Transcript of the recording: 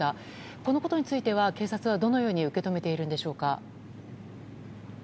このことについては警察はどのように受け止めているんでしょうか？